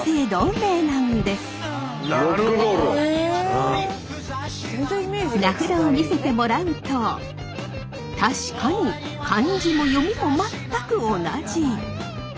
名札を見せてもらうと確かに漢字も読みも全く同じ！